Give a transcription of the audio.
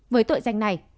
với tội danh này